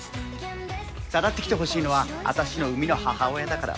さらってきてほしいのはあたしの生みの母親だから。